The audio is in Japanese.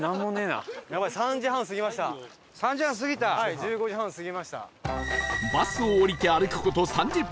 １５時半過ぎました。